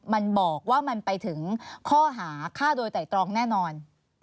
มันบอกว่ามันไปถึงข้อหาฆ่าโดยไตรตรองแน่นอน